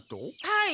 はい。